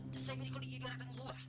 cak semin kau lihat di gerakan itu